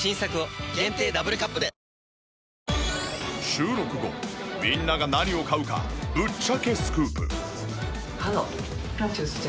収録後みんなが何を買うかぶっちゃけスクープ。